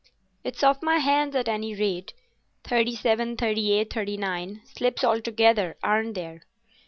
"It's off my hands at any rate.... Thirty seven, thirty eight, thirty nine slips altogether, aren't there?